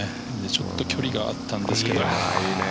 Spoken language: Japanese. ちょっと距離があったんですけど。